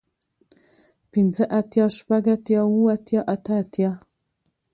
پنځۀ اتيا شپږ اتيا اووه اتيا اتۀ اتيا